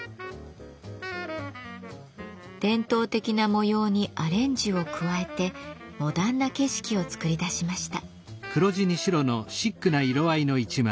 伝統的な模様にアレンジを加えてモダンな景色を作り出しました。